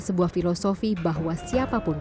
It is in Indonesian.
sebuah filosofi bahwa siapapun